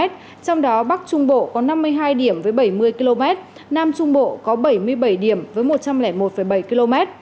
trong đó bắc trung bộ có năm mươi hai điểm với bảy mươi km nam trung bộ có bảy mươi bảy điểm với một trăm linh một bảy km